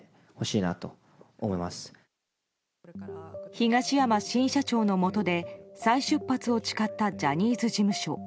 東山新社長のもとで再出発を誓ったジャニーズ事務所。